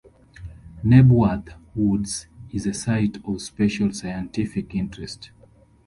Knebworth Woods is a Site of Special Scientific Interest.